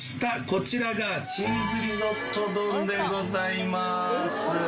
こちらがチーズリゾット丼でございまーす